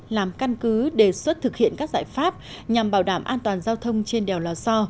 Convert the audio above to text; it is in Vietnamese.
làm căn cứ đề xuất thực hiện các giải pháp nhằm bảo đảm an toàn giao thông trên đèo lò so